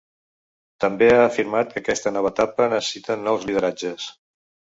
També ha afirmat que aquesta nova etapa necessita nous lideratges.